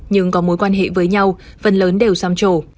nhưng có mối quan hệ với nhau phần lớn đều xăm trổ